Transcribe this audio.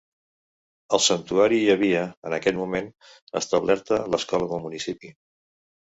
Al santuari hi havia, en aquell moment, establerta l'escola del municipi.